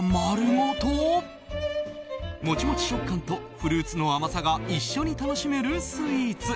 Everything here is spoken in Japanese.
モチモチ食感とフルーツの甘さが一緒に楽しめるスイーツ